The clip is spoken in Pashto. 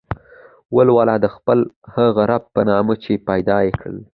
ولوله د خپل هغه رب په نامه چې پيدا يې کړ.